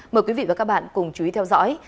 mời quý vị và các bạn cùng chú ý theo dõi